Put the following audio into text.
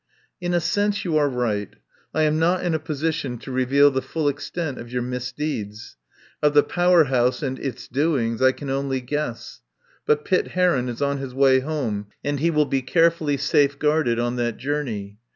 "In a sense you are right. I am not in a position to reveal the full extent of your mis deeds. Of the Power House and its doings I can only guess. But Pitt Heron is on his way home, and he will be carefully safeguarded on that journey.